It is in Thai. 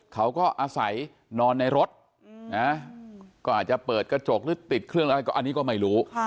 เขาก็อาศัยนอนในรถนะก็อาจจะเปิดกระจกหรือติดเครื่องอะไรก็อันนี้ก็ไม่รู้